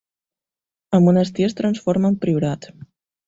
El monestir es transforma en priorat.